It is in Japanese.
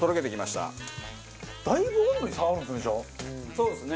そうですね。